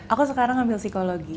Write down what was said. aku sekarang ambil psikologi